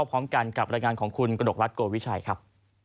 พร้อมกันกับรายงานของคุณกระดกรัฐโกวิชัยครับ